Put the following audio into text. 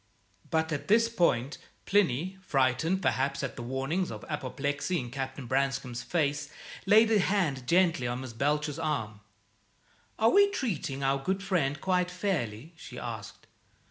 But at this point Plinny, frightened perhaps at the warnings of apoplexy in Captain Branscome's face, laid a hand gently on Miss Belcher's arm. "Are we treating our good friend quite fairly?" she asked.